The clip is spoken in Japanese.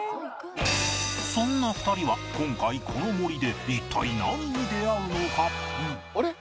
そんな２人は今回この森で一体何に出会うのか？